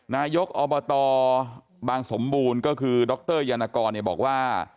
นายกอบตบางสมบูรณ์ก็คือดรยานกรบอกว่า